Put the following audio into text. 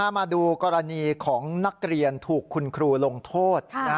มาดูกรณีของนักเรียนถูกคุณครูลงโทษ